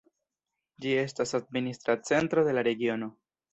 Ĝi estas administra centro de la regiono.